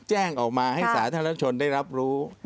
แจ้งออกมาให้สาธารณชนได้รับรู้